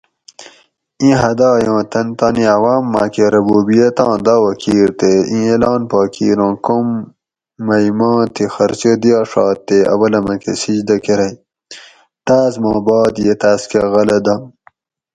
ایں حدائ اُوں تن تانی عوام مئ کہ ربوبیٔت آں دعوٰی کیر تے ایں اعلان پا کیر اُوں کوم مئ ما تھی خرچہ دیاڛات تے اولہ مکہ سجدہ کرئ تاس ما باد یہ تاس کہ غلہ دم